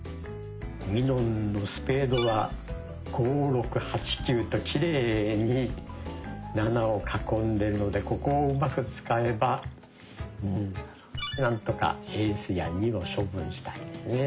みのんのスペードは「５」「６」「８」「９」ときれいに「７」を囲んでるのでここをうまく使えばうんなんとかエースや「２」を処分したいね。